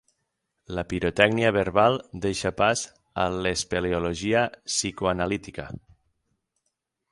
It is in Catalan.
La pirotècnia verbal deixa pas a l'espeleologia psicoanalítica.